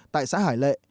tại xã hải lệ